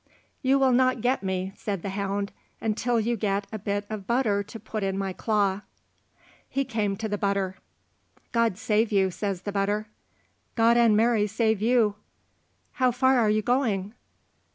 "You will not get me," said the hound, "until you get a bit of butter to put in my claw." He came to the butter. "God save you," says the butter. "God and Mary save you." "How far are you going?"